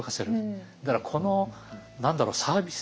だからこの何だろうサービス